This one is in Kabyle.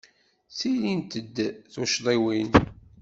Ttilint-d tuccḍiwin.